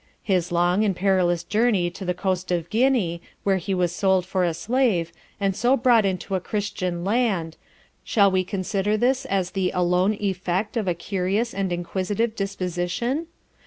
His long and perilous Journey to the Coast of Guinea, where he was sold for a Slave, and so brought into a Christian Land; shall we consider this as the alone Effect of a curious and inquisitive Disposition?